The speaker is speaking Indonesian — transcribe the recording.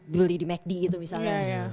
beli di macd gitu misalnya